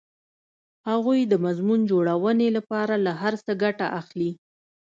هغوی د مضمون جوړونې لپاره له هر څه ګټه اخلي